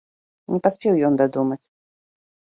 Не паспеў ён дадумаць.